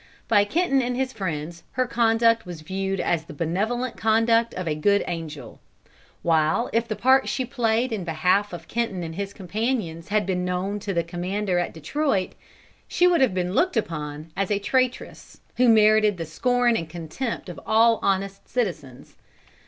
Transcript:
By Kenton and his friends her conduct was viewed as the benevolent conduct of a good angel; while if the part she played in behalf of Kenton and his companions had been known to the commander at Detroit, she would have been looked upon as a traitress, who merited the scorn and contempt of all honest citizens.